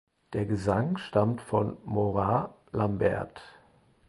Der Gesang stammt von Moira Lambert.